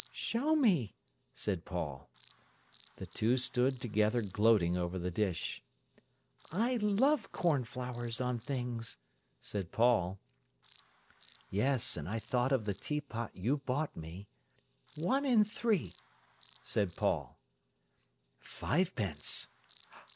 "Show me!" said Paul. The two stood together gloating over the dish. "I love cornflowers on things," said Paul. "Yes, and I thought of the teapot you bought me—" "One and three," said Paul. "Fivepence!"